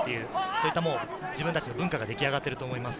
そういった自分たちの文化が出来上がっていると思います。